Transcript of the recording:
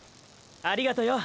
ありがとよ！！